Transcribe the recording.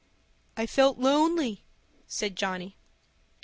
"I felt lonely," said Johnny.